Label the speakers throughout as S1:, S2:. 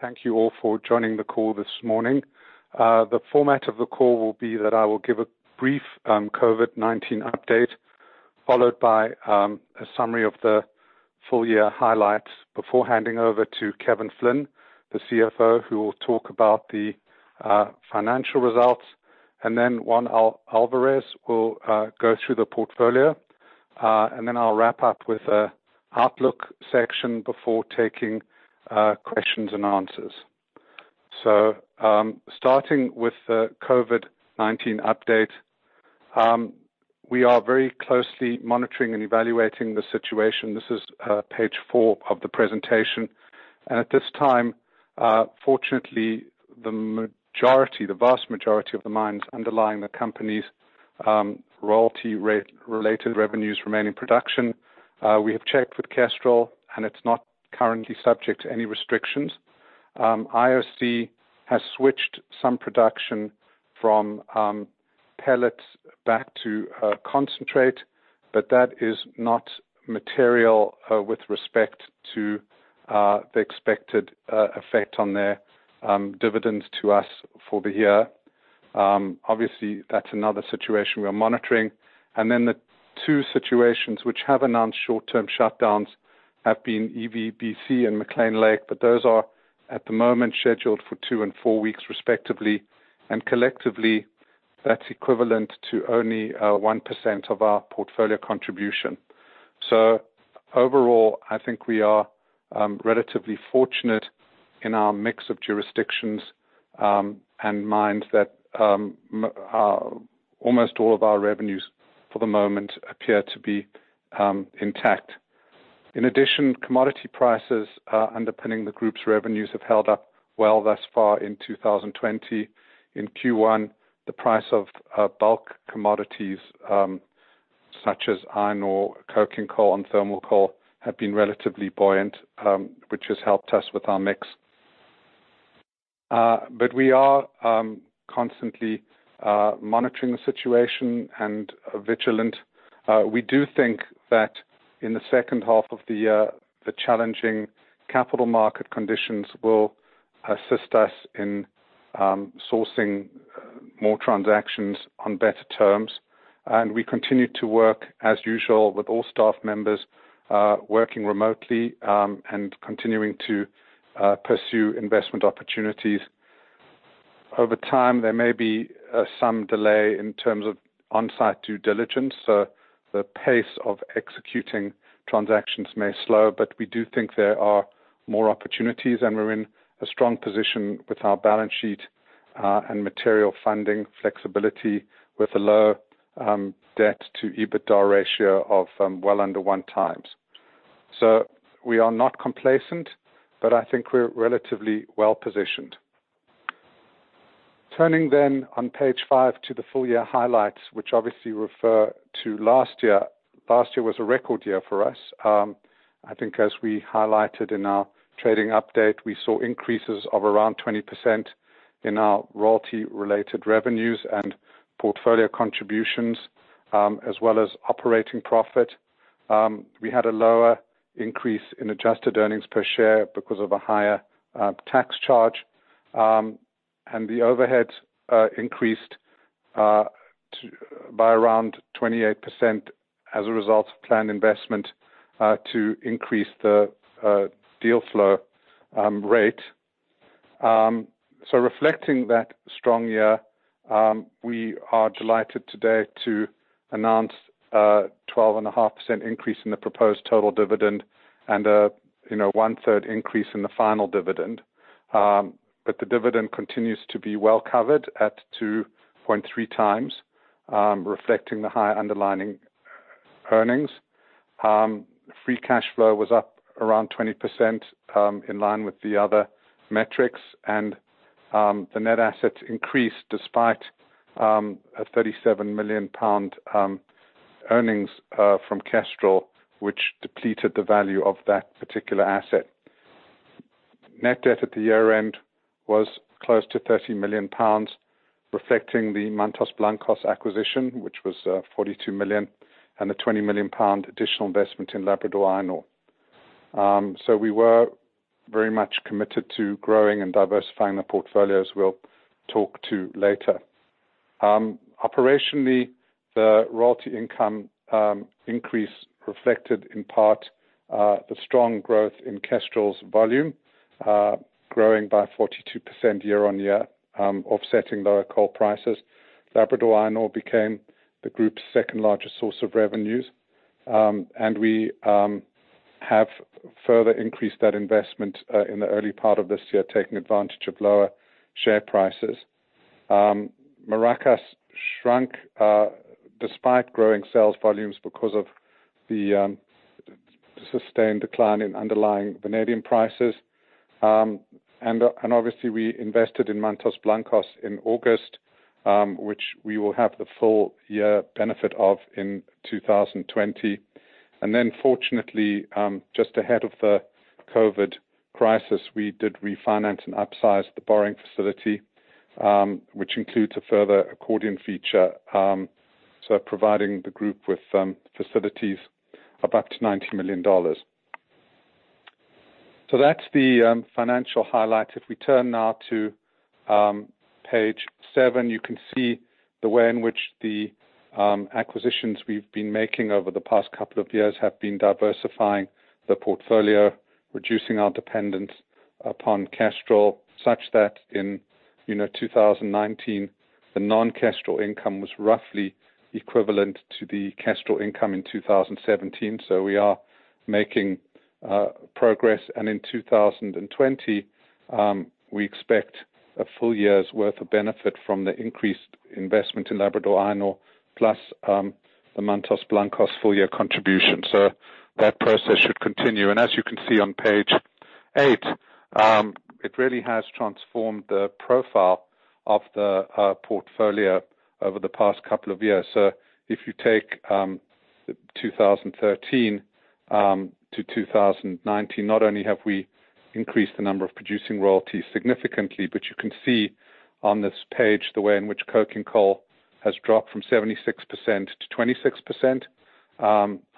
S1: Thank you all for joining the call this morning. The format of the call will be that I will give a brief COVID-19 update, followed by a summary of the full-year highlights before handing over to Kevin Flynn, the CFO, who will talk about the financial results. Juan Alvarez will go through the portfolio, and then I'll wrap up with a outlook section before taking questions and answers. Starting with the COVID-19 update. We are very closely monitoring and evaluating the situation. This is page four of the presentation. At this time, fortunately, the vast majority of the mines underlying the company's royalty-related revenues remain in production. We have checked with Kestrel, and it's not currently subject to any restrictions. IOC has switched some production from pellets back to concentrate, that is not material with respect to the expected effect on their dividends to us for the year. Obviously, that's another situation we are monitoring. The two situations which have announced short-term shutdowns have been EVBC and McClean Lake, but those are at the moment scheduled for two and four weeks respectively, and collectively, that's equivalent to only 1% of our portfolio contribution. Overall, I think we are relatively fortunate in our mix of jurisdictions and mines that almost all of our revenues for the moment appear to be intact. In addition, commodity prices underpinning the group's revenues have held up well thus far in 2020. In Q1, the price of bulk commodities such as iron ore, coking coal, and thermal coal have been relatively buoyant, which has helped us with our mix. We are constantly monitoring the situation and are vigilant. We do think that in the second half of the year, the challenging capital market conditions will assist us in sourcing more transactions on better terms. We continue to work as usual with all staff members working remotely and continuing to pursue investment opportunities. Over time, there may be some delay in terms of on-site due diligence, so the pace of executing transactions may slow, but we do think there are more opportunities, and we're in a strong position with our balance sheet and material funding flexibility with a low debt to EBITDA ratio of well under one times. We are not complacent, but I think we're relatively well-positioned. Turning on page five to the full-year highlights, which obviously refer to last year. Last year was a record year for us. I think as we highlighted in our trading update, we saw increases of around 20% in our royalty-related revenues and portfolio contributions, as well as operating profit. We had a lower increase in adjusted earnings per share because of a higher tax charge. The overhead increased by around 28% as a result of planned investment to increase the deal flow rate. Reflecting that strong year, we are delighted today to announce a 12.5% increase in the proposed total dividend and a 1/3 increase in the final dividend. The dividend continues to be well-covered at 2.3x, reflecting the high underlying earnings. Free cash flow was up around 20% in line with the other metrics. The net assets increased despite a 37 million pound earnings from Kestrel, which depleted the value of that particular asset. Net debt at the year-end was close to 30 million pounds, reflecting the Mantos Blancos acquisition, which was 42 million, and the 20 million pound additional investment in Labrador Iron Ore. We were very much committed to growing and diversifying the portfolio, as we'll talk to later. Operationally, the royalty income increase reflected in part the strong growth in Kestrel's volume, growing by 42% year-on-year, offsetting lower coal prices. Labrador Iron Ore became the group's second-largest source of revenues. We have further increased that investment in the early part of this year, taking advantage of lower share prices. Maracás shrunk despite growing sales volumes because of the sustained decline in underlying vanadium prices. Obviously, we invested in Mantos Blancos in August, which we will have the full-year benefit of in 2020. Fortunately, just ahead of the COVID-19 crisis, we did refinance and upsize the borrowing facility, which includes a further accordion feature, providing the group with facilities up to GBP 90 million. That's the financial highlight. We turn now to page seven, you can see the way in which the acquisitions we've been making over the past couple of years have been diversifying the portfolio, reducing our dependence upon Kestrel, such that in 2019, the non-Kestrel income was roughly equivalent to the Kestrel income in 2017. We are making progress. In 2020, we expect a full-year's worth of benefit from the increased investment in Labrador Iron Ore, plus the Mantos Blancos full-year contribution. That process should continue. As you can see on page eight, it really has transformed the profile of the portfolio over the past couple of years. If you take 2013 to 2019, not only have we increased the number of producing royalties significantly, you can see on this page the way in which coking coal has dropped from 76% to 26%.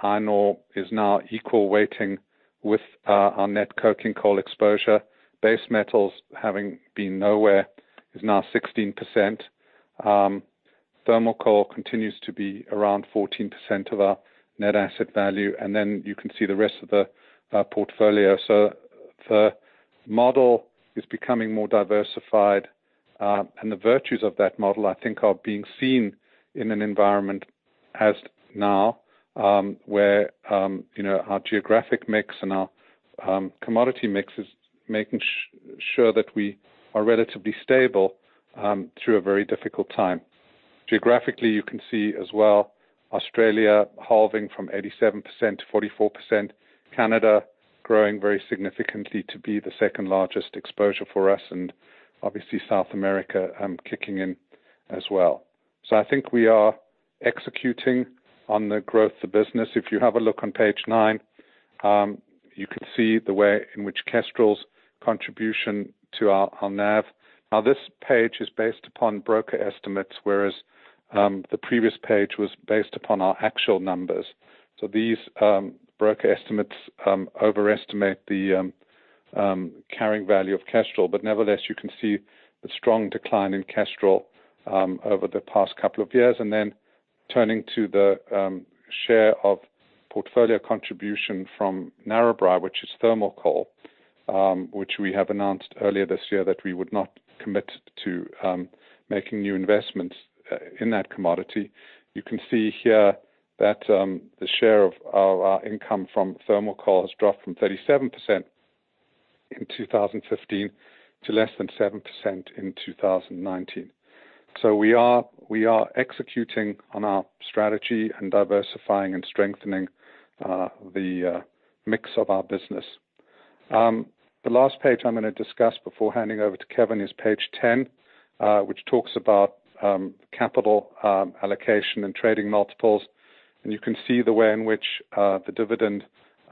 S1: Iron ore is now equal weighting with our net coking coal exposure. Base metals, having been nowhere, is now 16%. Thermal coal continues to be around 14% of our net asset value. You can see the rest of the portfolio. The model is becoming more diversified. The virtues of that model, I think, are being seen in an environment as now, where our geographic mix and our commodity mix is making sure that we are relatively stable through a very difficult time. Geographically, you can see as well, Australia halving from 87% to 44%, Canada growing very significantly to be the second-largest exposure for us, obviously South America kicking in as well. I think we are executing on the growth of business. If you have a look on page nine, you can see the way in which Kestrel's contribution to our NAV. This page is based upon broker estimates, whereas the previous page was based upon our actual numbers. These broker estimates overestimate the carrying value of Kestrel. Nevertheless, you can see the strong decline in Kestrel over the past couple of years. Turning to the share of portfolio contribution from Narrabri, which is thermal coal, which we have announced earlier this year that we would not commit to making new investments in that commodity. You can see here that the share of our income from thermal coal has dropped from 37% in 2015 to less than 7% in 2019. We are executing on our strategy and diversifying and strengthening the mix of our business. The last page I'm going to discuss before handing over to Kevin is page 10, which talks about capital allocation and trading multiples. You can see the way in which the dividend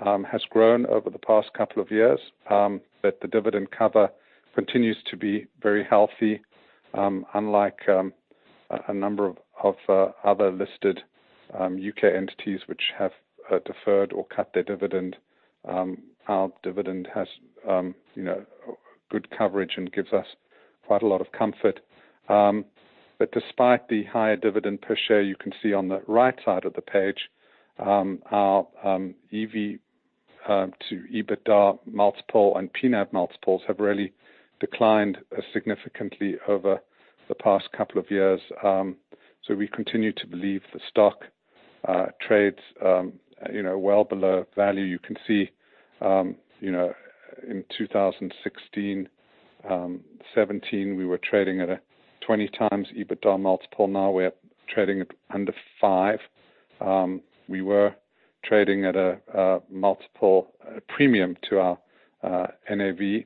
S1: has grown over the past couple of years, that the dividend cover continues to be very healthy. Unlike a number of other listed U.K. entities which have deferred or cut their dividend, our dividend has good coverage and gives us quite a lot of comfort. Despite the higher dividend per share, you can see on the right side of the page, our EV to EBITDA multiple and P NAV multiples have really declined significantly over the past couple of years. We continue to believe the stock trades well below value. You can see in 2016, 2017, we were trading at a 20x EBITDA multiple. Now we're trading at under five. We were trading at a multiple premium to our NAV.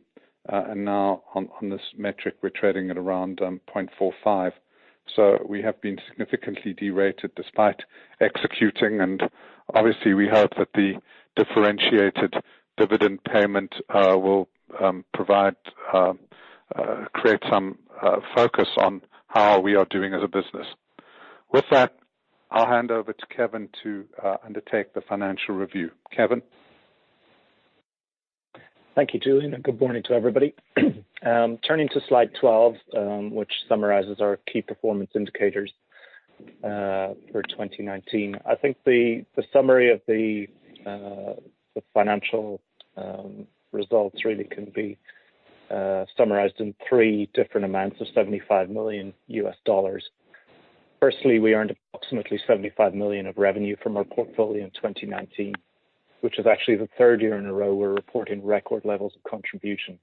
S1: Now on this metric, we're trading at around 0.45x. We have been significantly derated despite executing, and obviously, we hope that the differentiated dividend payment will create some focus on how we are doing as a business. With that, I'll hand over to Kevin to undertake the financial review. Kevin?
S2: Thank you, Julian, and good morning to everybody. Turning to slide 12, which summarizes our key performance indicators for 2019. I think the summary of the financial results really can be summarized in three different amounts of $75 million. Firstly, we earned approximately $75 million of revenue from our portfolio in 2019, which is actually the third year in a row we're reporting record levels of contribution.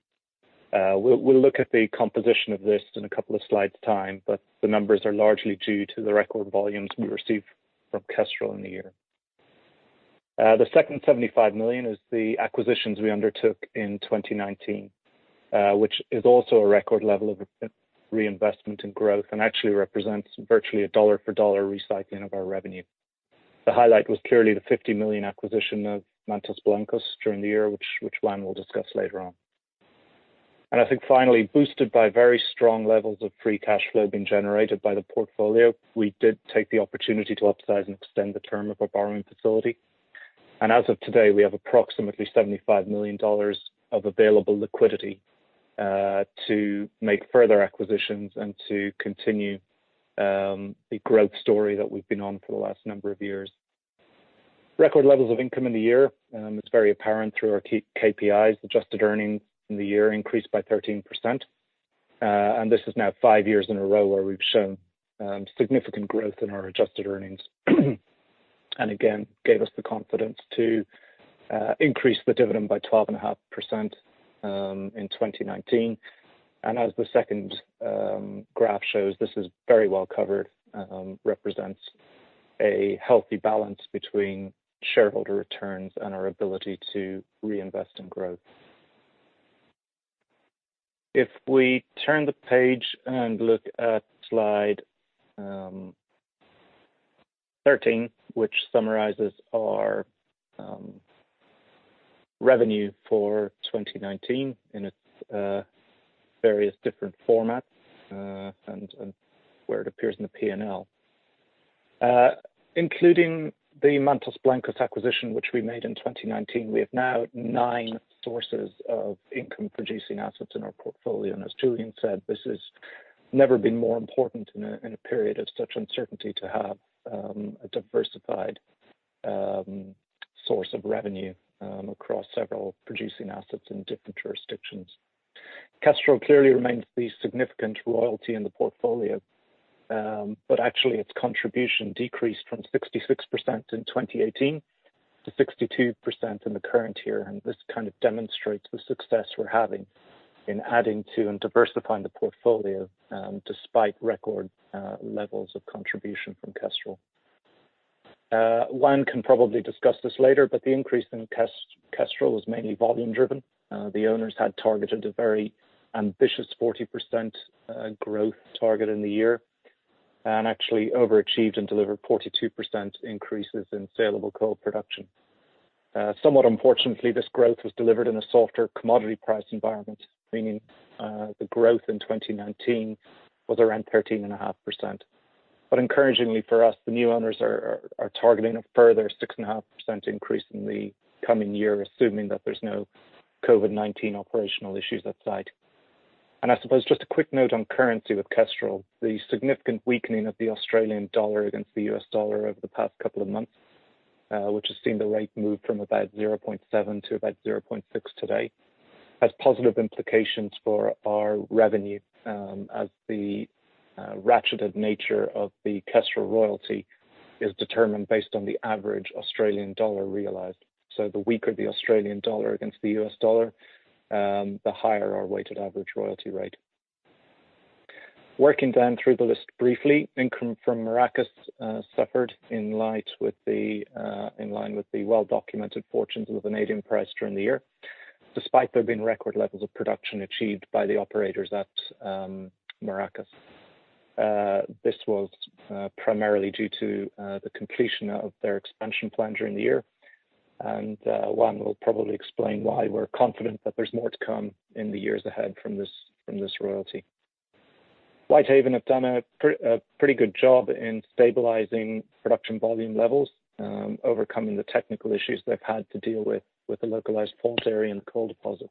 S2: We'll look at the composition of this in a couple of slides' time, but the numbers are largely due to the record volumes we received from Kestrel in the year. The second $75 million is the acquisitions we undertook in 2019, which is also a record level of reinvestment and growth and actually represents virtually a dollar for dollar recycling of our revenue. The highlight was clearly the 50 million acquisition of Mantos Blancos during the year, which Juan will discuss later on. I think finally, boosted by very strong levels of free cash flow being generated by the portfolio, we did take the opportunity to upsize and extend the term of our borrowing facility. As of today, we have approximately GBP 75 million of available liquidity to make further acquisitions and to continue the growth story that we've been on for the last number of years. Record levels of income in the year. It's very apparent through our KPIs. Adjusted earnings in the year increased by 13%. This is now five years in a row where we've shown significant growth in our adjusted earnings. Again, gave us the confidence to increase the dividend by 12.5% in 2019. As the second graph shows, this is very well covered, represents a healthy balance between shareholder returns and our ability to reinvest in growth. If we turn the page and look at slide 13, which summarizes our revenue for 2019 in its various different formats, and where it appears in the P&L. Including the Mantos Blancos acquisition, which we made in 2019, we have now nine sources of income-producing assets in our portfolio. As Julian said, this has never been more important in a period of such uncertainty to have a diversified source of revenue across several producing assets in different jurisdictions. Kestrel clearly remains the significant royalty in the portfolio. Actually, its contribution decreased from 66% in 2018 to 62% in the current year. This kind of demonstrates the success we're having in adding to and diversifying the portfolio despite record levels of contribution from Kestrel. Juan can probably discuss this later, but the increase in Kestrel was mainly volume driven. The owners had targeted a very ambitious 40% growth target in the year, and actually overachieved and delivered 42% increases in saleable coal production. Somewhat unfortunately, this growth was delivered in a softer commodity price environment, meaning the growth in 2019 was around 13.5%. Encouragingly for us, the new owners are targeting a further 6.5% increase in the coming year, assuming that there's no COVID-19 operational issues at site. I suppose just a quick note on currency with Kestrel. The significant weakening of the Australian dollar against the U.S. dollar over the past couple of months, which has seen the rate move from about 0.7 to about 0.6 today, has positive implications for our revenue, as the ratcheted nature of the Kestrel royalty is determined based on the average Australian dollar realized. The weaker the Australian dollar against the U.S. dollar, the higher our weighted average royalty rate. Working down through the list briefly, income from Maracás suffered in line with the well-documented fortunes of the Canadian price during the year, despite there being record levels of production achieved by the operators at Maracás. This was primarily due to the completion of their expansion plan during the year. Juan will probably explain why we're confident that there's more to come in the years ahead from this royalty. Whitehaven have done a pretty good job in stabilizing production volume levels, overcoming the technical issues they've had to deal with the localized fault area in the coal deposit.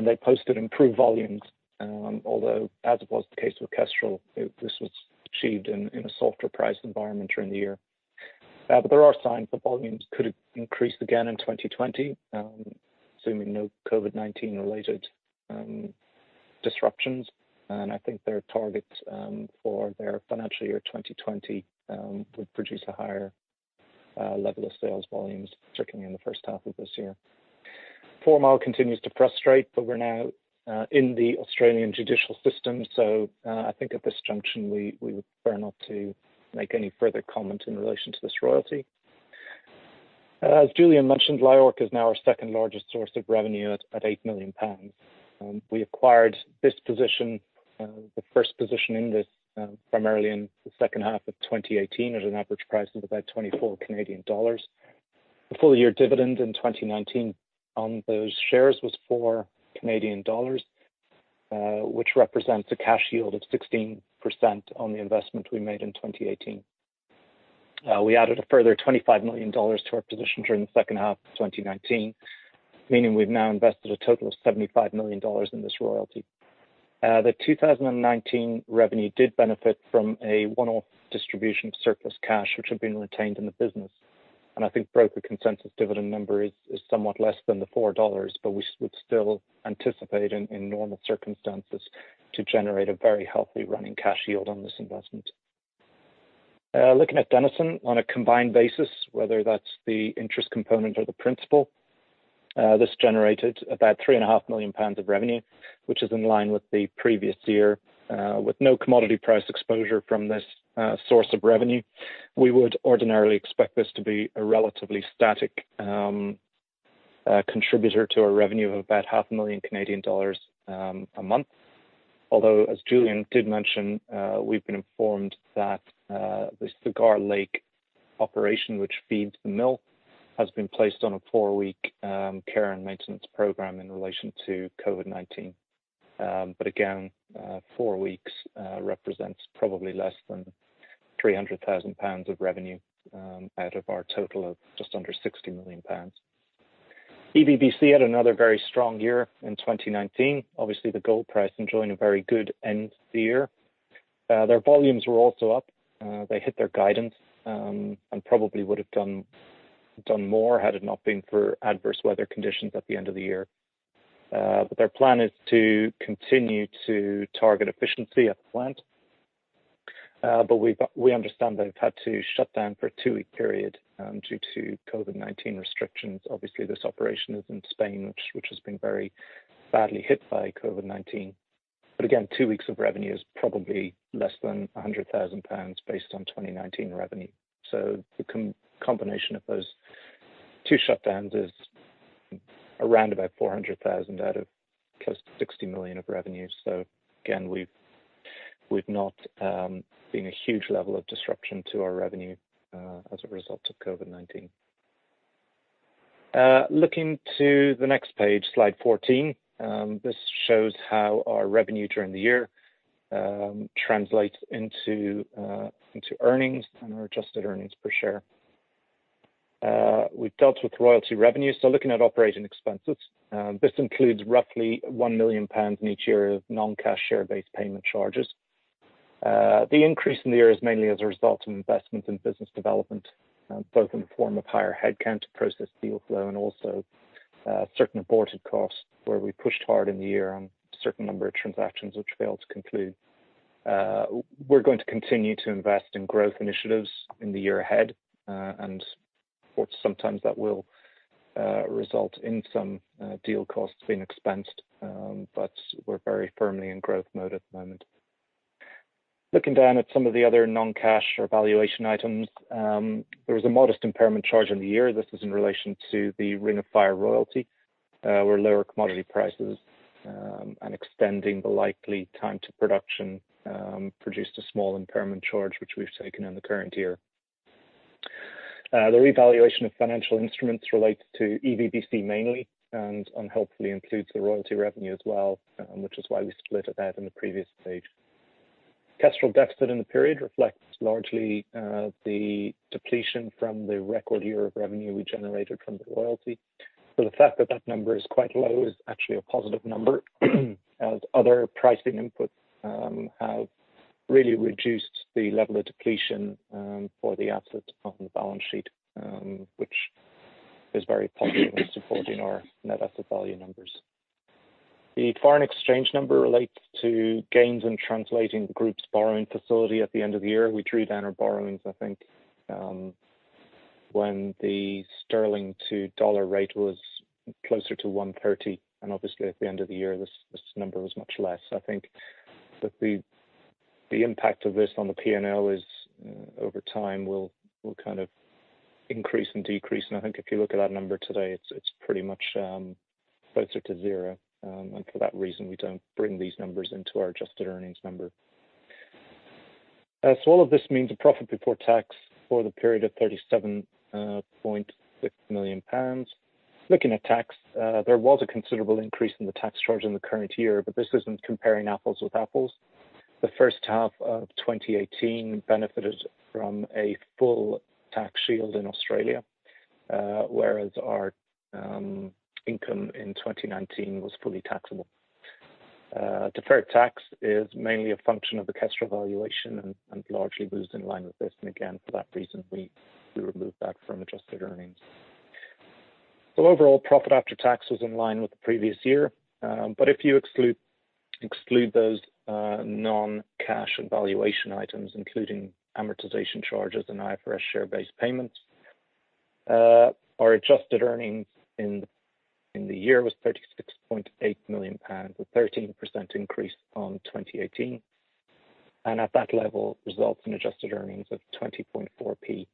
S2: They posted improved volumes, although as was the case with Kestrel, this was achieved in a softer price environment during the year. There are signs that volumes could increase again in 2020, assuming no COVID-19 related disruptions. I think their targets for their financial year 2020 would produce a higher level of sales volumes, particularly in the first half of this year. Four Mile continues to frustrate, but we are now in the Australian judicial system. I think at this junction, we would prefer not to make any further comment in relation to this royalty. As Julian mentioned, LIORC is now our second-largest source of revenue at 8 million pounds. We acquired this position, the first position in this, primarily in the second half of 2018 at an average price of about 24 Canadian dollars. The full-year dividend in 2019 on those shares was four Canadian dollars, which represents a cash yield of 16% on the investment we made in 2018. We added a further GBP 25 million to our position during the second half of 2019, meaning we've now invested a total of GBP 75 million in this royalty. The 2019 revenue did benefit from a one-off distribution of surplus cash, which had been retained in the business. I think broker consensus dividend number is somewhat less than the 4 dollars, but we would still anticipate, in normal circumstances, to generate a very healthy running cash yield on this investment. Looking at Denison on a combined basis, whether that's the interest component or the principal, this generated about 3.5 million pounds of revenue, which is in line with the previous year. With no commodity price exposure from this source of revenue, we would ordinarily expect this to be a relatively static contributor to our revenue of about half a million Canadian dollars a month. As Julian did mention, we've been informed that the Cigar Lake operation, which feeds the mill, has been placed on a four-week care and maintenance program in relation to COVID-19. Again, four weeks represents probably less than 300,000 pounds of revenue out of our total of just under 60 million pounds. EVBC had another very strong year in 2019. Obviously, the gold price enjoying a very good end to the year. Their volumes were also up. They hit their guidance, and probably would have done more had it not been for adverse weather conditions at the end of the year. Their plan is to continue to target efficiency at the plant. We understand they've had to shut down for a two-week period due to COVID-19 restrictions. Obviously, this operation is in Spain, which has been very badly hit by COVID-19. Again, two weeks of revenue is probably less than 100,000 pounds based on 2019 revenue. The combination of those two shutdowns is around about 400,000 out of close to 60 million of revenue. Again, we've not seen a huge level of disruption to our revenue as a result of COVID-19. Looking to the next page, slide 14. This shows how our revenue during the year translates into earnings and our adjusted earnings per share. We've dealt with royalty revenue, looking at operating expenses. This includes roughly 1 million pounds in each year of non-cash share-based payment charges. The increase in the year is mainly as a result of investments in business development, both in the form of higher headcount to process deal flow and also certain aborted costs where we pushed hard in the year on a certain number of transactions which failed to conclude. We're going to continue to invest in growth initiatives in the year ahead, of course, sometimes that will result in some deal costs being expensed, we're very firmly in growth mode at the moment. Looking down at some of the other non-cash or valuation items. There was a modest impairment charge in the year. This is in relation to the Ring of Fire royalty, where lower commodity prices and extending the likely time to production produced a small impairment charge, which we've taken in the current year. The revaluation of financial instruments relates to EVBC mainly and unhelpfully includes the royalty revenue as well, which is why we split it out in the previous page. Kestrel deficit in the period reflects largely the depletion from the record year of revenue we generated from the royalty. The fact that that number is quite low is actually a positive number, as other pricing inputs have really reduced the level of depletion for the assets on the balance sheet, which is very positive in supporting our net asset value numbers. The foreign exchange number relates to gains in translating the group's borrowing facility at the end of the year. We drew down our borrowings, I think, when the sterling to dollar rate was closer to 130, and obviously at the end of the year, this number was much less. I think that the impact of this on the P&L is over time will kind of increase and decrease, and I think if you look at that number today, it's pretty much closer to zero. For that reason, we don't bring these numbers into our adjusted earnings number. All of this means a profit before tax for the period of 37.6 million pounds. Looking at tax, there was a considerable increase in the tax charge in the current year, but this isn't comparing apples with apples. The first half of 2018 benefited from a full tax shield in Australia, whereas our income in 2019 was fully taxable. Deferred tax is mainly a function of the Kestrel valuation and largely moves in line with this, and again, for that reason, we remove that from adjusted earnings. Overall, profit after tax was in line with the previous year. If you exclude those non-cash and valuation items, including amortization charges and IFRS share-based payments, our adjusted earnings in the year was 36.8 million pounds, a 13% increase on 2018. At that level, results in adjusted earnings of 0.204,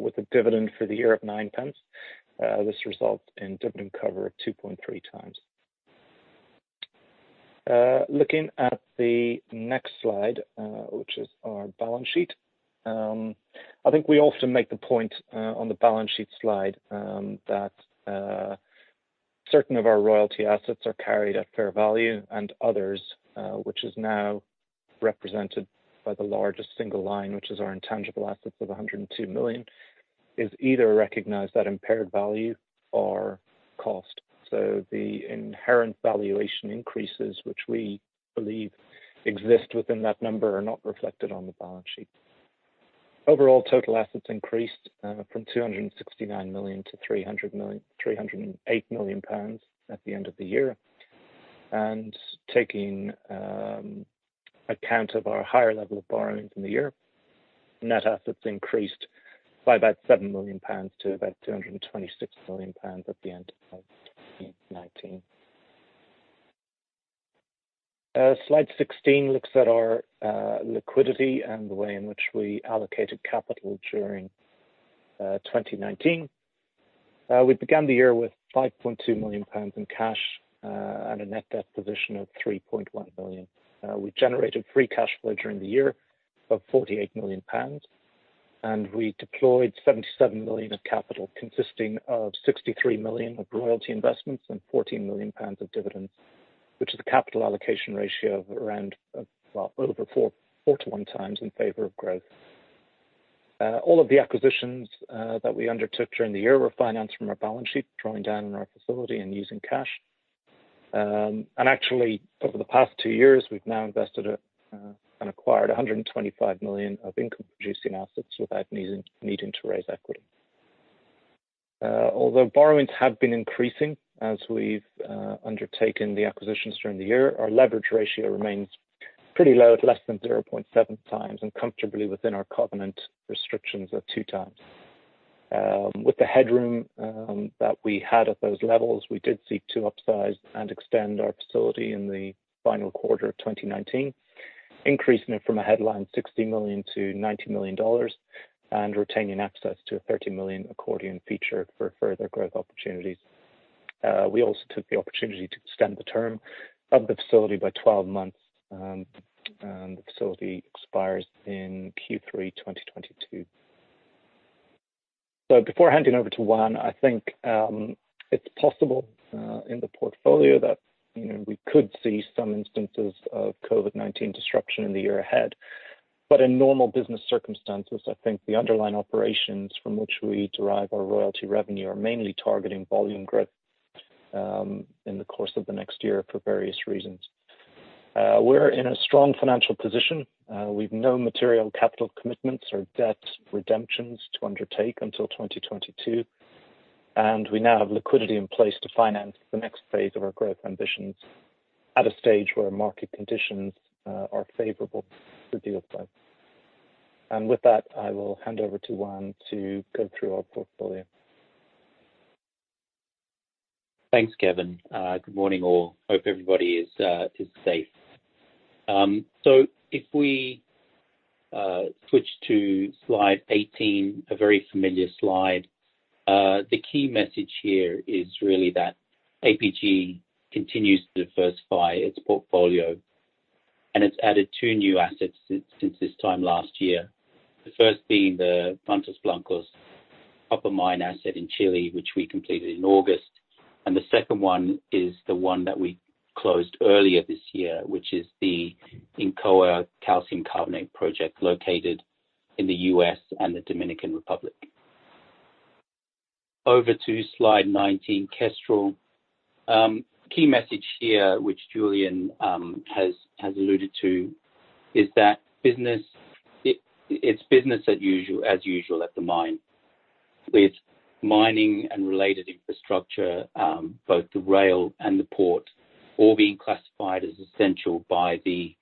S2: with a dividend for the year of 0.09. This results in dividend cover of 2.3x. Looking at the next slide, which is our balance sheet. I think we often make the point on the balance sheet slide that certain of our royalty assets are carried at fair value, and others, which is now represented by the largest single line, which is our intangible assets of 102 million, is either recognized at impaired value or cost. The inherent valuation increases, which we believe exist within that number, are not reflected on the balance sheet. Overall, total assets increased from 269 million to 308 million pounds at the end of the year. Taking account of our higher level of borrowings in the year, net assets increased by about 7 million pounds to about 226 million pounds at the end of 2019. Slide 16 looks at our liquidity and the way in which we allocated capital during 2019. We began the year with 5.2 million pounds in cash and a net debt position of 3.1 million. We generated free cash flow during the year of 48 million pounds, we deployed 77 million of capital, consisting of 63 million of royalty investments and 14 million pounds of dividends, which is a capital allocation ratio of well over 4:1 times in favor of growth. All of the acquisitions that we undertook during the year were financed from our balance sheet, drawing down on our facility and using cash. Actually, over the past two years, we've now invested and acquired 125 million of income producing assets without needing to raise equity. Although borrowings have been increasing as we've undertaken the acquisitions during the year, our leverage ratio remains pretty low at less than 0.7x, and comfortably within our covenant restrictions of 2x. With the headroom that we had at those levels, we did seek to upsize and extend our facility in the final quarter of 2019, increasing it from a headline 60 million to GBP 90 million and retaining access to a 30 million accordion feature for further growth opportunities. We also took the opportunity to extend the term of the facility by 12 months, and the facility expires in Q3 2022. Before handing over to Juan, I think it's possible in the portfolio that we could see some instances of COVID-19 disruption in the year ahead. In normal business circumstances, I think the underlying operations from which we derive our royalty revenue are mainly targeting volume growth in the course of the next year for various reasons. We're in a strong financial position. We've no material capital commitments or debt redemptions to undertake until 2022, and we now have liquidity in place to finance the next phase of our growth ambitions at a stage where market conditions are favorable for deal flow. With that, I will hand over to Juan to go through our portfolio.
S3: Thanks, Kevin. Good morning all. Hope everybody is safe. If we switch to slide 18, a very familiar slide. The key message here is really that APG continues to diversify its portfolio, and it's added two new assets since this time last year. The first being the Mantos Blancos copper mine asset in Chile, which we completed in August. The second one is the one that we closed earlier this year, which is the Incoa calcium carbonate project located in the U.S. and the Dominican Republic. Over to slide 19, Kestrel. Key message here, which Julian has alluded to, is that it's business as usual at the mine. With mining and related infrastructure, both the rail and the port, all being classified as essential by the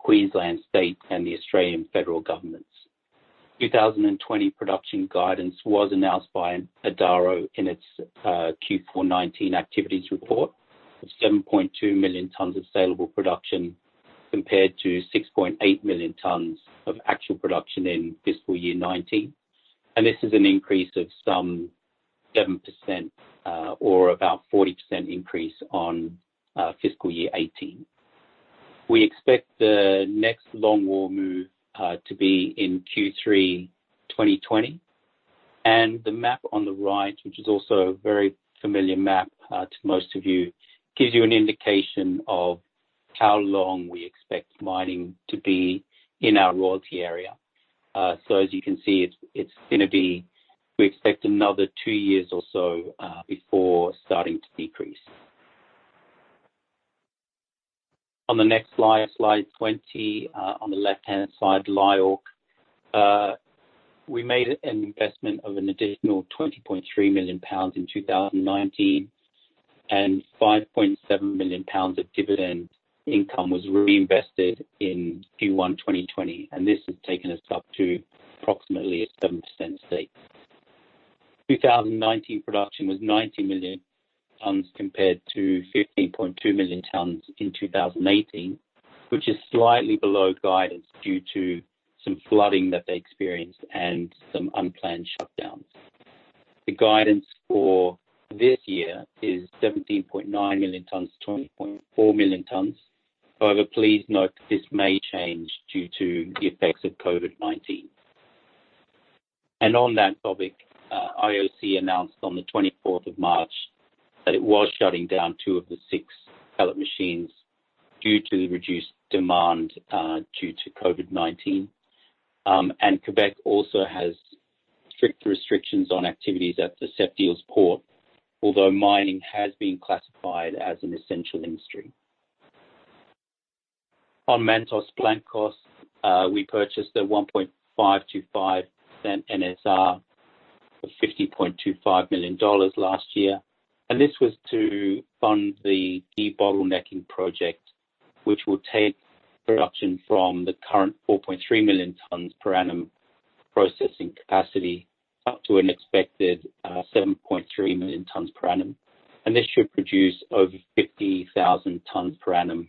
S3: Queensland state and the Australian federal governments. 2020 production guidance was announced by Adaro in its Q4 2019 activities report of 7.2 million tons of saleable production compared to 6.8 million tons of actual production in FY 2019. This is an increase of some 7% or about 4% increase on FY 2018. We expect the next longwall move to be in Q3 2020. The map on the right, which is also a very familiar map to most of you, gives you an indication of how long we expect mining to be in our royalty area. As you can see, we expect another two years or so before starting to decrease. On the next slide 20, on the left-hand side, LIORC. We made an investment of an additional 20.3 million pounds in 2019, and 5.7 million pounds of dividend income was reinvested in Q1 2020, and this has taken us up to approximately a 7% stake. 2019 production was 90 million tons compared to 15.2 million tons in 2018, which is slightly below guidance due to some flooding that they experienced and some unplanned shutdowns. The guidance for this year is 17.9 million tons to 20.4 million tons. However, please note this may change due to the effects of COVID-19. On that topic, IOC announced on the 24th of March that it was shutting down two of the six pellet machines due to the reduced demand due to COVID-19. Quebec also has strict restrictions on activities at the Sept-Îles port, although mining has been classified as an essential industry. On Mantos Blancos, we purchased a 1.525 NSR for GBP 50.25 million last year. This was to fund the key bottlenecking project, which will take production from the current 4.3 million tons per annum processing capacity up to an expected 7.3 million tons per annum. This should produce over 50,000 tons per annum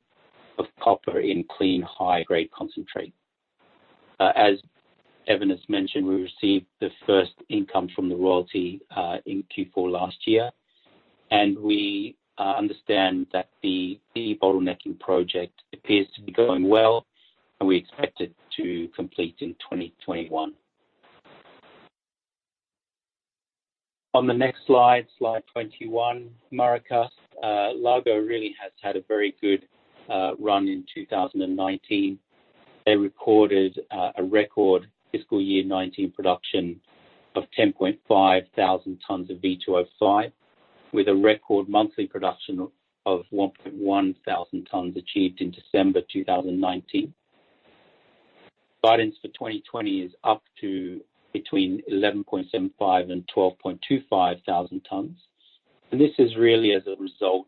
S3: of copper in clean, high-grade concentrate. As Kevin has mentioned, we received the first income from the royalty in Q4 last year, and we understand that the de-bottlenecking project appears to be going well, and we expect it to complete in 2021. On the next slide 21. Maracás. Largo really has had a very good run in 2019. They recorded a record fiscal year 2019 production of 10.5 thousand tons of V2O5, with a record monthly production of 1.1 thousand tons achieved in December 2019. Guidance for 2020 is up to between 11.75 and 12.25 thousand tons. This is really as a result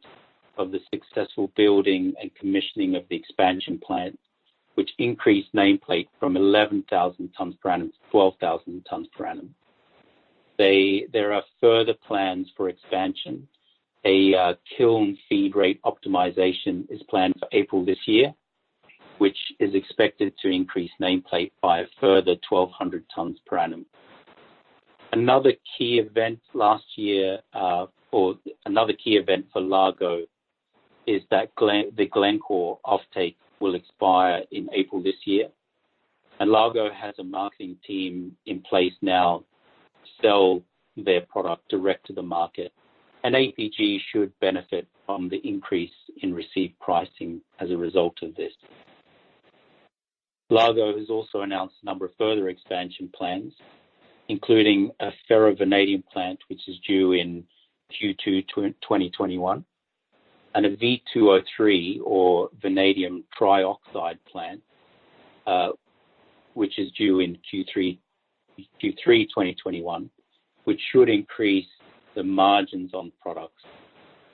S3: of the successful building and commissioning of the expansion plant, which increased nameplate from 11,000 tons per annum to 12,000 tons per annum. There are further plans for expansion. A kiln feed rate optimization is planned for April this year, which is expected to increase nameplate by a further 1,200 tons per annum. Another key event for Largo is that the Glencore offtake will expire in April this year. Largo has a marketing team in place now to sell their product direct to the market, and APG should benefit from the increase in received pricing as a result of this. Largo has also announced a number of further expansion plans, including a ferrovanadium plant, which is due in Q2 2021, and a V2O3 or vanadium trioxide plant, which is due in Q3 2021, which should increase the margins on products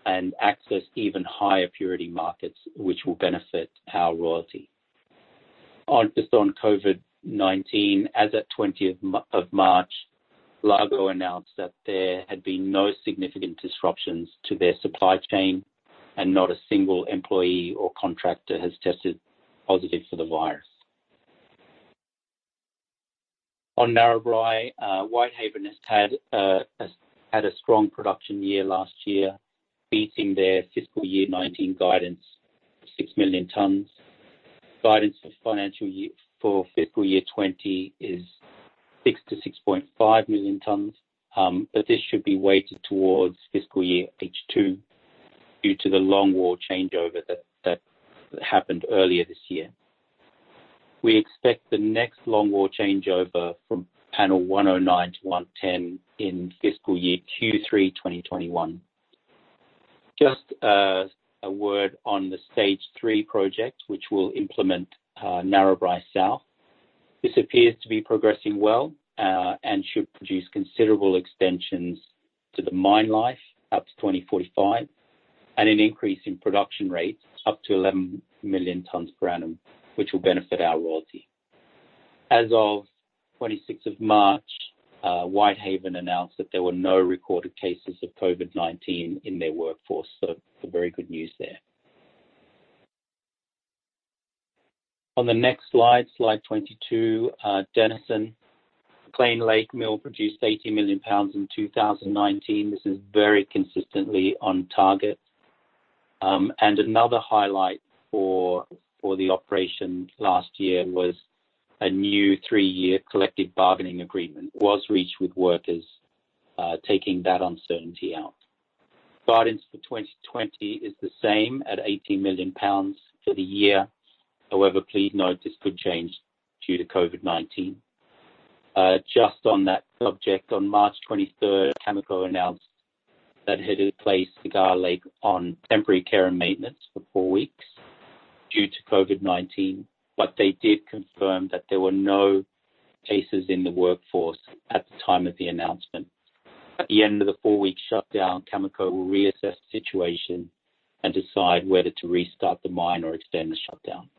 S3: and access even higher purity markets, which will benefit our royalty. Just on COVID-19, as at 20th of March, Largo announced that there had been no significant disruptions to their supply chain and not a single employee or contractor has tested positive for the virus. On Narrabri, Whitehaven has had a strong production year last year, beating their fiscal year 2019 guidance of 6 million tons. Guidance for fiscal year 2020 is 6-6.5 million tons, but this should be weighted towards fiscal year H2 due to the longwall changeover that happened earlier this year. We expect the next longwall changeover from panel 109 to 110 in fiscal year Q3 2021. Just a word on the stage 3 project, which will implement Narrabri South. This appears to be progressing well and should produce considerable extensions to the mine life up to 2045, and an increase in production rates up to 11 million tons per annum, which will benefit our royalty. As of 26th of March, Whitehaven announced that there were no recorded cases of COVID-19 in their workforce. Some very good news there. On the next slide 22. Denison. McClean Lake mill produced 80 million pounds in 2019. This is very consistently on target. Another highlight for the operation last year was a new three-year collective bargaining agreement was reached with workers, taking that uncertainty out. Guidance for 2020 is the same at 80 million pounds for the year. However, please note this could change due to COVID-19. Just on that subject, on March 23rd, Cameco announced that it had placed Cigar Lake on temporary care and maintenance for four weeks due to COVID-19. They did confirm that there were no cases in the workforce at the time of the announcement. At the end of the four-week shutdown, Cameco will reassess the situation and decide whether to restart the mine or extend the shutdown.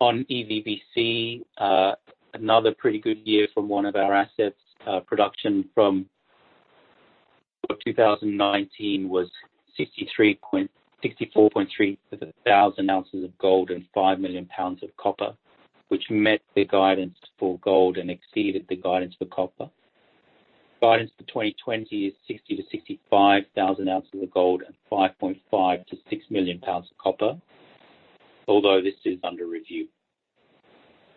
S3: On EVBC, another pretty good year from one of our assets. Production from 2019 was 64.3 thousand ounces of gold and 5 million pounds of copper, which met the guidance for gold and exceeded the guidance for copper. Guidance for 2020 is 60,000-65,000 ounces of gold and 5.5-6 million pounds of copper, although this is under review.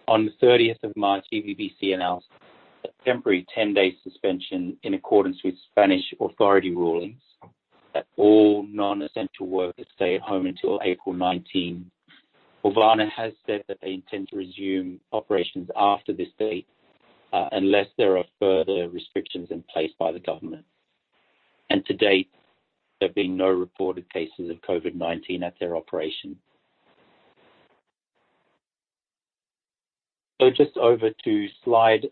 S3: On the 30th of March, EVBC announced a temporary 10-day suspension in accordance with Spanish authority rulings that all non-essential workers stay at home until April 19. Orvana has said that they intend to resume operations after this date, unless there are further restrictions in place by the government. To date, there have been no reported cases of COVID-19 at their operation. Just over to slide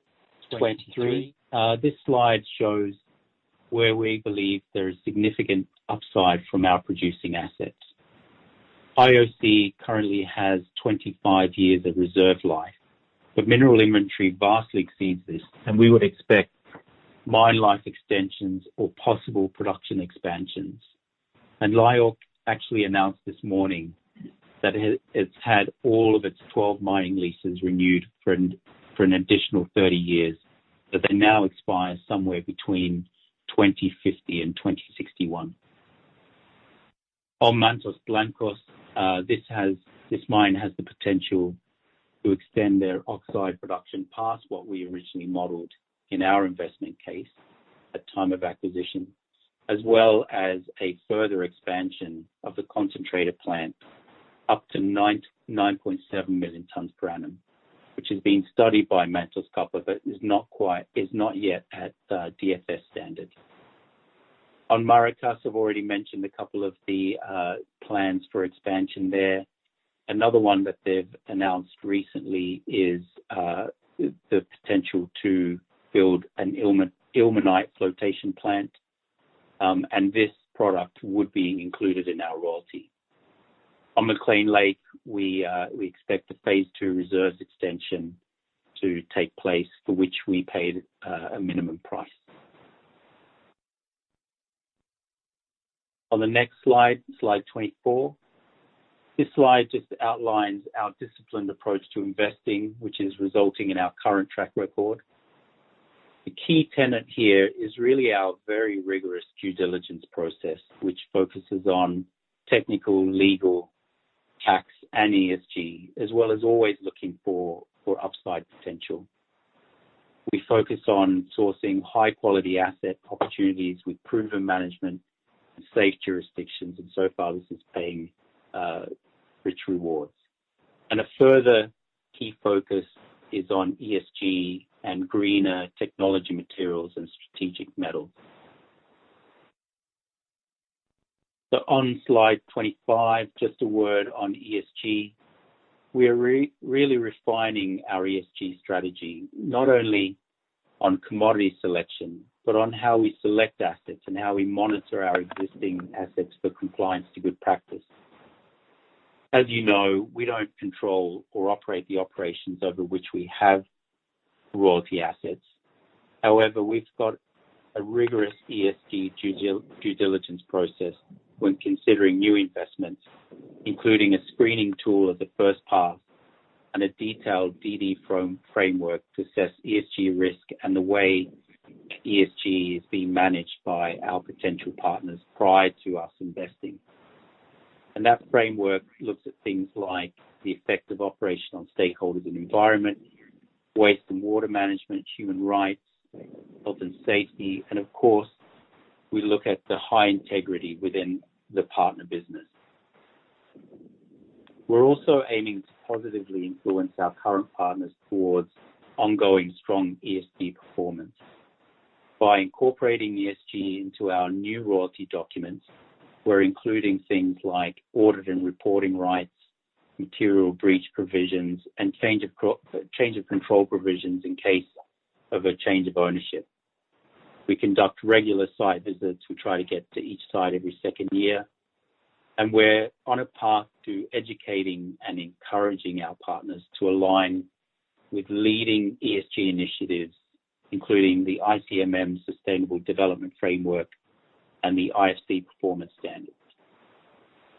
S3: 23. This slide shows where we believe there is significant upside from our producing assets. IOC currently has 25 years of reserve life, mineral inventory vastly exceeds this, we would expect mine life extensions or possible production expansions. LIORC actually announced this morning that it's had all of its 12 mining leases renewed for an additional 30 years, that they now expire somewhere between 2050 and 2061. On Mantos Blancos, this mine has the potential to extend their oxide production past what we originally modeled in our investment case at time of acquisition, as well as a further expansion of the concentrator plant up to 9.7 million tons per annum, which is being studied by Mantos Copper, but is not yet at DFS standard. On Maracás, I've already mentioned a couple of the plans for expansion there. Another one that they've announced recently is the potential to build an ilmenite flotation plant, this product would be included in our royalty. On McClean Lake, we expect the phase two reserves extension to take place for which we paid a minimum price. On the next slide 24. This slide just outlines our disciplined approach to investing, which is resulting in our current track record. The key tenet here is really our very rigorous due diligence process, which focuses on technical, legal, tax, and ESG, as well as always looking for upside potential. We focus on sourcing high-quality asset opportunities with proven management and safe jurisdictions. So far this is paying rich rewards. A further key focus is on ESG and greener technology materials and strategic metals. On slide 25, just a word on ESG. We are really refining our ESG strategy, not only on commodity selection, but on how we select assets and how we monitor our existing assets for compliance to good practice. As you know, we don't control or operate the operations over which we have royalty assets. However, we've got a rigorous ESG due diligence process when considering new investments, including a screening tool as a first pass and a detailed DD framework to assess ESG risk and the way ESG is being managed by our potential partners prior to us investing. That framework looks at things like the effect of operation on stakeholders and environment, waste and water management, human rights, health and safety, and of course, we look at the high integrity within the partner business. We're also aiming to positively influence our current partners towards ongoing strong ESG performance. By incorporating ESG into our new royalty documents, we're including things like audit and reporting rights, material breach provisions, and change of control provisions in case of a change of ownership. We conduct regular site visits. We try to get to each site every second year. We're on a path to educating and encouraging our partners to align with leading ESG initiatives, including the ICMM Sustainable Development Framework and the IFC Performance Standards.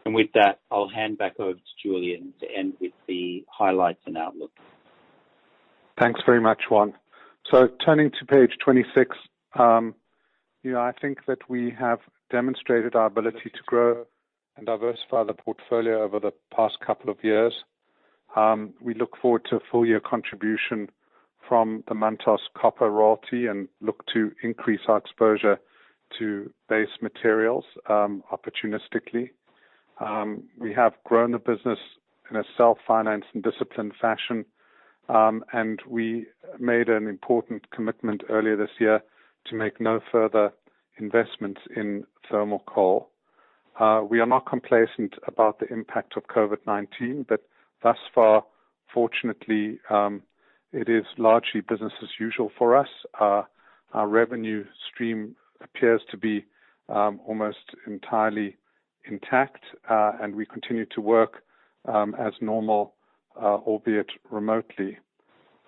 S3: With that, I'll hand back over to Julian to end with the highlights and outlook.
S1: Thanks very much, Juan. Turning to page 26, I think that we have demonstrated our ability to grow and diversify the portfolio over the past couple of years. We look forward to a full-year contribution from the Mantos Copper royalty and look to increase our exposure to base materials, opportunistically. We have grown the business in a self-finance and disciplined fashion, we made an important commitment earlier this year to make no further investments in thermal coal. We are not complacent about the impact of COVID-19, thus far, fortunately, it is largely business as usual for us. Our revenue stream appears to be almost entirely intact, we continue to work as normal, albeit remotely.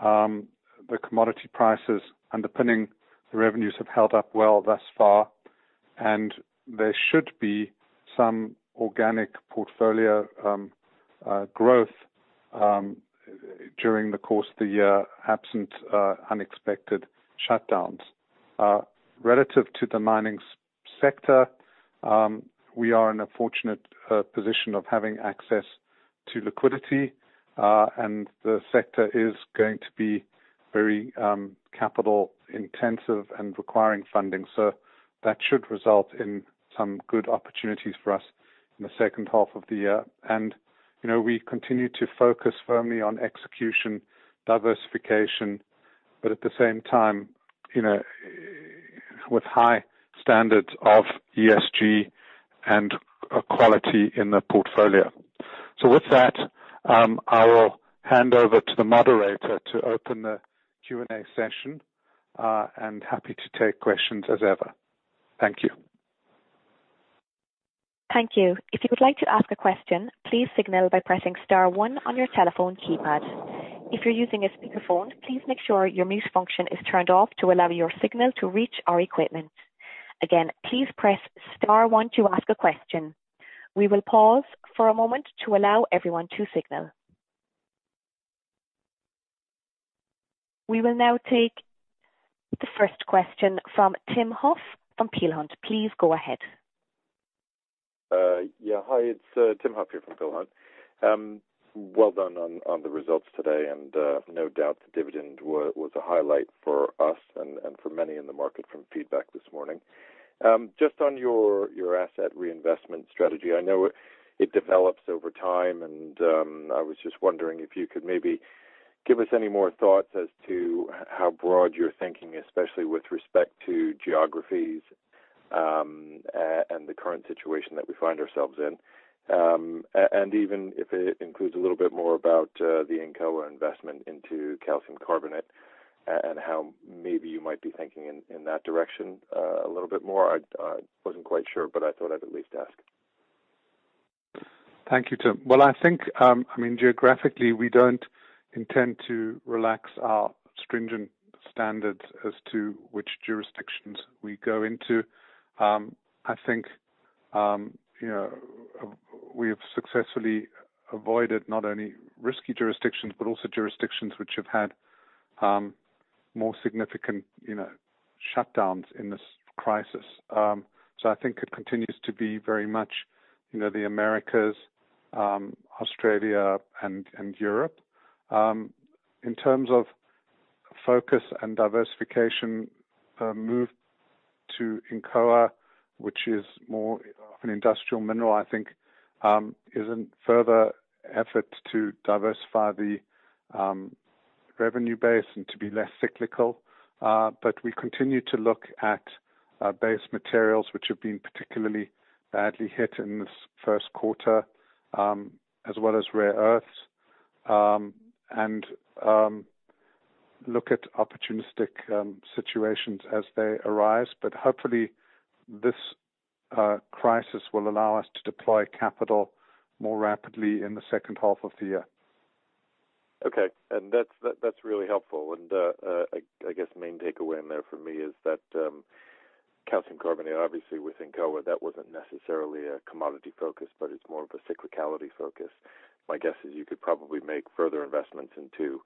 S1: The commodity prices underpinning the revenues have held up well thus far, there should be some organic portfolio growth during the course of the year, absent unexpected shutdowns. Relative to the mining sector, we are in a fortunate position of having access to liquidity, and the sector is going to be very capital intensive and requiring funding. That should result in some good opportunities for us in the second half of the year. We continue to focus firmly on execution, diversification, but at the same time, with high standards of ESG and quality in the portfolio. With that, I will hand over to the moderator to open the Q&A session, and happy to take questions as ever. Thank you.
S4: Thank you. If you would like to ask a question, please signal by pressing star one on your telephone keypad. If you're using a speakerphone, please make sure your mute function is turned off to allow your signal to reach our equipment. Again, please press star one to ask a question. We will pause for a moment to allow everyone to signal. We will now take the first question from Tim Huff from Peel Hunt. Please go ahead.
S5: Yeah. Hi, it's Tim Huff here from Peel Hunt. Well done on the results today, and no doubt the dividend was a highlight for us and for many in the market from feedback this morning. Just on your asset reinvestment strategy, I know it develops over time and I was just wondering if you could maybe give us any more thoughts as to how broad you're thinking, especially with respect to geographies and the current situation that we find ourselves in. Even if it includes a little bit more about the Incoa investment into calcium carbonate and how maybe you might be thinking in that direction a little bit more. I wasn't quite sure, but I thought I'd at least ask.
S1: Thank you, Tim. Well, I think geographically, we don't intend to relax our stringent standards as to which jurisdictions we go into. I think we have successfully avoided not only risky jurisdictions but also jurisdictions which have had more significant shutdowns in this crisis. I think it continues to be very much the Americas, Australia, and Europe. In terms of focus and diversification, a move to Incoa, which is more of an industrial mineral, I think, is a further effort to diversify the revenue base and to be less cyclical. We continue to look at base materials which have been particularly badly hit in this first quarter, as well as rare earths, and look at opportunistic situations as they arise. Hopefully, this crisis will allow us to deploy capital more rapidly in the second half of the year.
S5: Okay. That's really helpful. I guess main takeaway in there for me is that calcium carbonate, obviously with Incoa, that wasn't necessarily a commodity focus, but it's more of a cyclicality focus. My guess is you could probably make further investments into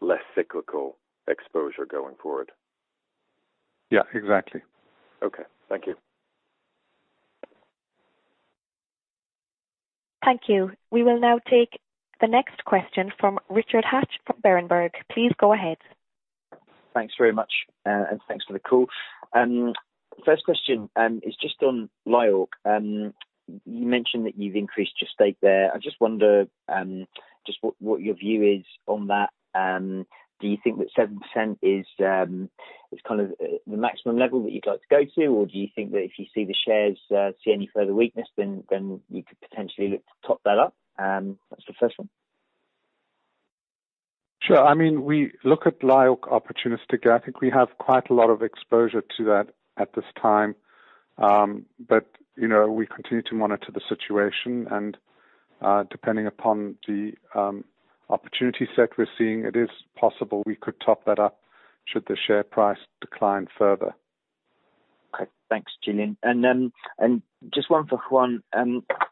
S5: less cyclical exposure going forward.
S1: Yeah, exactly.
S5: Okay. Thank you.
S4: Thank you. We will now take the next question from Richard Hatch from Berenberg. Please go ahead.
S6: Thanks very much, and thanks for the call. First question is just on LIORC. You mentioned that you've increased your stake there. I just wonder just what your view is on that. Do you think that 7% is kind of the maximum level that you'd like to go to? Do you think that if you see the shares see any further weakness, then you could potentially look to top that up? That's the first one.
S1: Sure. We look at LIORC opportunistically. I think we have quite a lot of exposure to that at this time. We continue to monitor the situation, and depending upon the opportunity set we're seeing, it is possible we could top that up should the share price decline further.
S6: Okay. Thanks, Julian. Then, just one for Juan.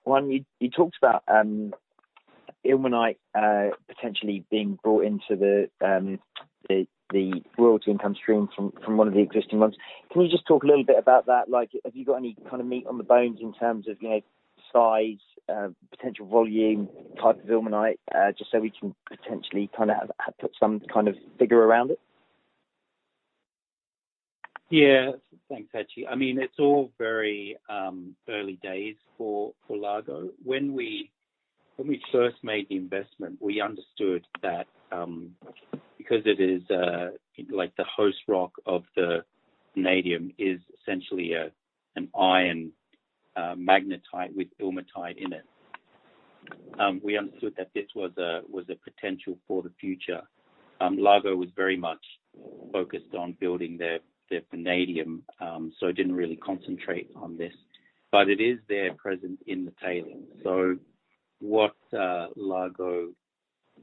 S6: Juan, you talked about ilmenite potentially being brought into the royalty income stream from one of the existing mines. Can you just talk a little bit about that? Have you got any kind of meat on the bones in terms of size, potential volume, type of ilmenite, just so we can potentially put some kind of figure around it?
S3: Yeah. Thanks, Hatch. It's all very early days for Largo. When we first made the investment, we understood that because it is the host rock of the vanadium is essentially an iron magnetite with ilmenite in it. We understood that this was a potential for the future. Largo was very much focused on building their vanadium, so it didn't really concentrate on this. It is there present in the tailings. What Largo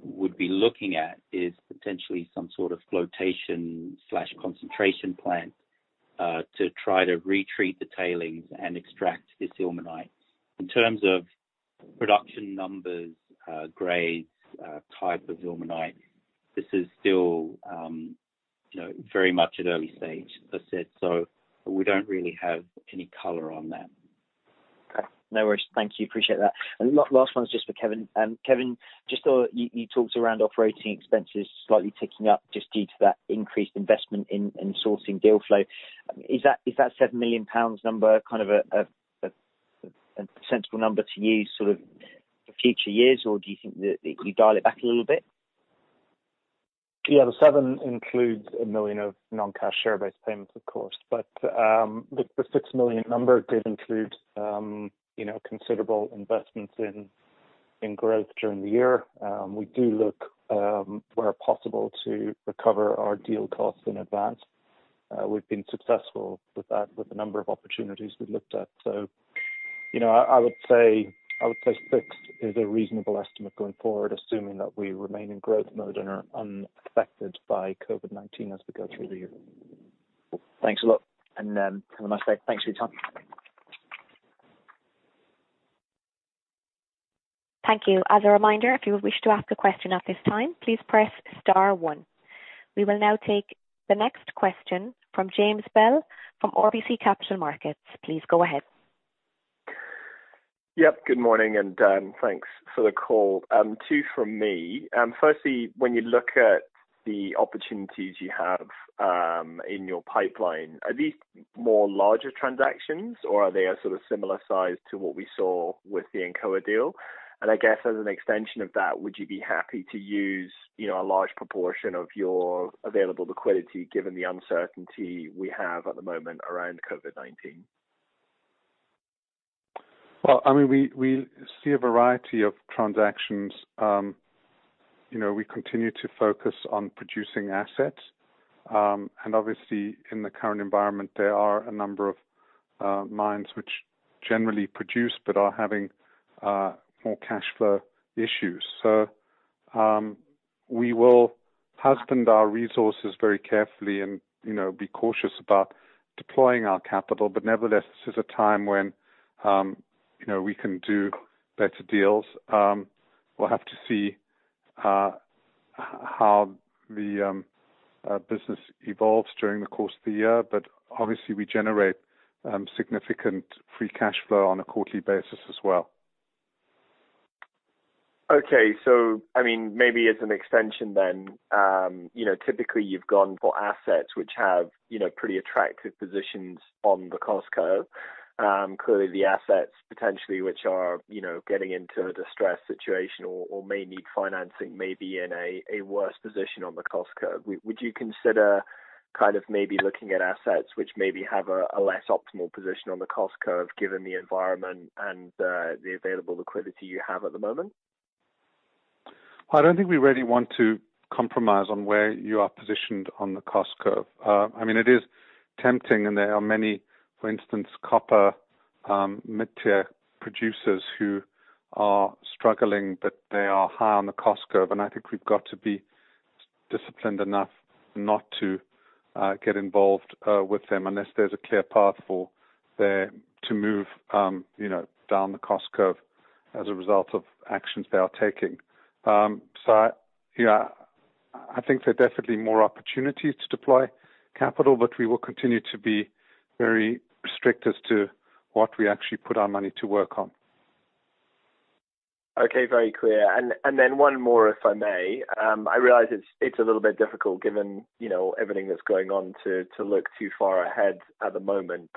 S3: would be looking at is potentially some sort of flotation/concentration plant, to try to retreat the tailings and extract this ilmenite. In terms of production numbers, grades, type of ilmenite, this is still very much at early stage, as I said, so we don't really have any color on that.
S6: Okay. No worries. Thank you. Appreciate that. Last one's just for Kevin. Kevin, just you talked around operating expenses slightly ticking up just due to that increased investment in sourcing deal flow. Is that 7 million pounds number kind of a sensible number to use sort of for future years? Do you think that you dial it back a little bit?
S2: Yeah, the 7 includes 1 million of non-cash share-based payments, of course. The 6 million number did include considerable investments in-
S1: In growth during the year. We do look, where possible, to recover our deal costs in advance. We've been successful with that with a number of opportunities we've looked at. I would say fixed is a reasonable estimate going forward, assuming that we remain in growth mode and are unaffected by COVID-19 as we go through the year.
S6: Thanks a lot. Can I say thanks for your time?
S4: Thank you. As a reminder, if you wish to ask a question at this time, please press star one. We will now take the next question from James Bell from RBC Capital Markets. Please go ahead.
S7: Yep. Good morning. Thanks for the call. Two from me. Firstly, when you look at the opportunities you have in your pipeline, are these more larger transactions, or are they a sort of similar size to what we saw with the Incoa deal? I guess as an extension of that, would you be happy to use a large proportion of your available liquidity given the uncertainty we have at the moment around COVID-19?
S1: Well, we see a variety of transactions. We continue to focus on producing assets. Obviously, in the current environment, there are a number of mines which generally produce but are having more cash flow issues. We will husband our resources very carefully and be cautious about deploying our capital. Nevertheless, this is a time when we can do better deals. We'll have to see how the business evolves during the course of the year. Obviously, we generate significant free cash flow on a quarterly basis as well.
S7: Okay. Maybe as an extension then, typically you've gone for assets which have pretty attractive positions on the cost curve. Clearly, the assets potentially which are getting into a distressed situation or may need financing may be in a worse position on the cost curve. Would you consider maybe looking at assets which maybe have a less optimal position on the cost curve given the environment and the available liquidity you have at the moment?
S1: I don't think we really want to compromise on where you are positioned on the cost curve. It is tempting and there are many, for instance, copper mid-tier producers who are struggling, but they are high on the cost curve. I think we've got to be disciplined enough not to get involved with them unless there's a clear path for them to move down the cost curve as a result of actions they are taking. Yeah, I think there are definitely more opportunities to deploy capital, but we will continue to be very strict as to what we actually put our money to work on.
S7: Okay. Very clear. One more, if I may. I realize it's a little bit difficult given everything that's going on to look too far ahead at the moment.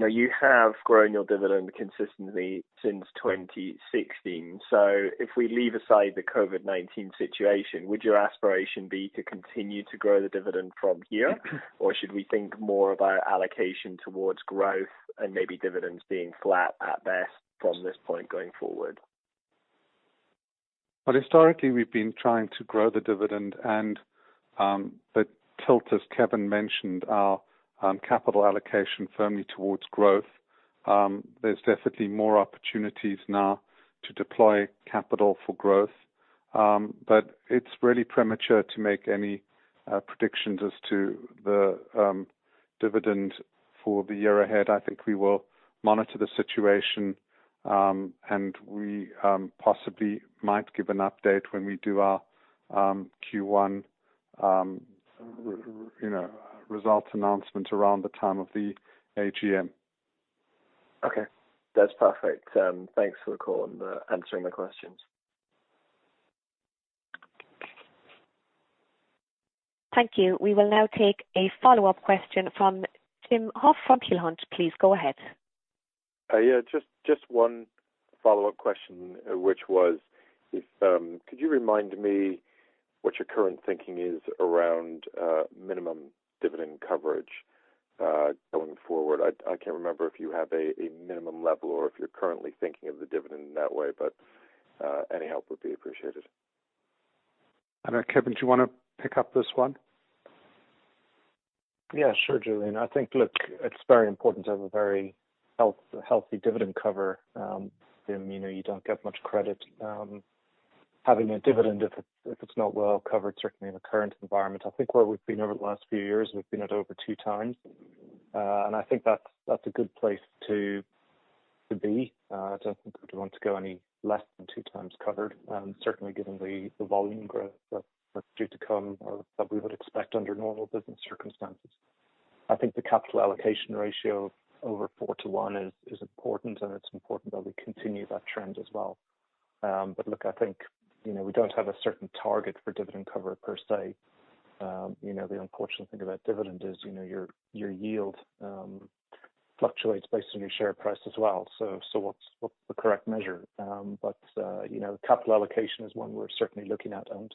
S7: You have grown your dividend consistently since 2016. If we leave aside the COVID-19 situation, would your aspiration be to continue to grow the dividend from here? Should we think more about allocation towards growth and maybe dividends being flat at best from this point going forward?
S1: Well, historically, we've been trying to grow the dividend and the tilt, as Kevin mentioned, our capital allocation firmly towards growth. There's definitely more opportunities now to deploy capital for growth. It's really premature to make any predictions as to the dividend for the year ahead. I think we will monitor the situation, and we possibly might give an update when we do our Q1 results announcement around the time of the AGM.
S7: Okay. That's perfect. Thanks for the call and answering the questions.
S4: Thank you. We will now take a follow-up question from Tim Huff from Peel Hunt. Please go ahead.
S5: Yeah, just one follow-up question, which was, could you remind me what your current thinking is around minimum dividend coverage, going forward? I can't remember if you have a minimum level or if you're currently thinking of the dividend in that way, but any help would be appreciated.
S1: Kevin, do you want to pick up this one?
S2: Yeah, sure, Julian. I think, look, it's very important to have a very healthy dividend cover. You don't get much credit having a dividend if it's not well covered, certainly in the current environment. I think where we've been over the last few years, we've been at over 2x. I think that's a good place to be. I don't think we'd want to go any less than 2x covered, certainly given the volume growth that's due to come or that we would expect under normal business circumstances. I think the capital allocation ratio over 4:1 is important, and it's important that we continue that trend as well. Look, I think, we don't have a certain target for dividend cover per se. The unfortunate thing about dividend is your yield fluctuates based on your share price as well. What's the correct measure? Capital allocation is one we're certainly looking at, and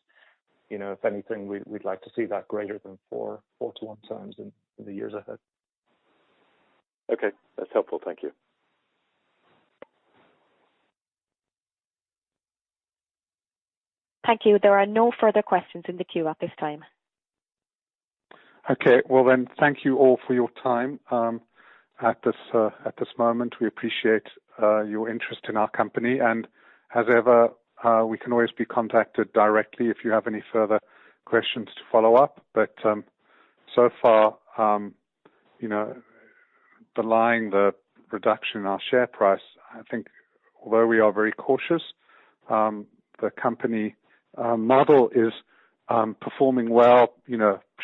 S2: if anything, we'd like to see that greater than 4:1 times in the years ahead.
S5: Okay. That's helpful. Thank you.
S4: Thank you. There are no further questions in the queue at this time.
S1: Okay, well then, thank you all for your time at this moment. We appreciate your interest in our company. As ever, we can always be contacted directly if you have any further questions to follow up. So far, belying the reduction in our share price, I think although we are very cautious, the company model is performing well,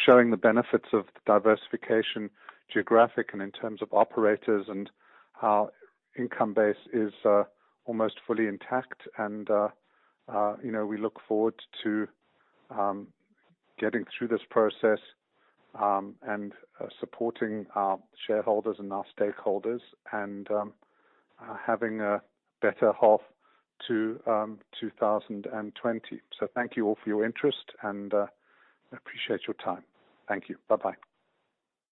S1: showing the benefits of diversification geographic and in terms of operators, and our income base is almost fully intact. We look forward to getting through this process, and supporting our shareholders and our stakeholders and having a better half to 2020. Thank you all for your interest, and I appreciate your time. Thank you. Bye-bye.